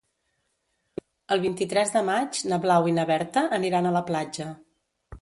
El vint-i-tres de maig na Blau i na Berta aniran a la platja.